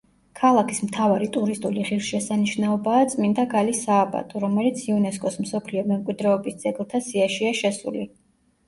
ქალაქის მთავარი ტურისტული ღირსშესანიშნაობაა წმინდა გალის სააბატო, რომელიც იუნესკოს მსოფლიო მემკვიდრეობის ძეგლთა სიაშია შესული.